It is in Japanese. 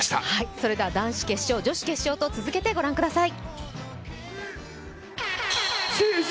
それでは男子決勝、女子決勝と続けてご覧ください。